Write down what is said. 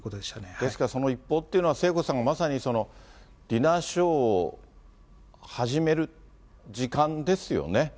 ですから、その一報というのは、まさにディナーショーを始める時間ですよね。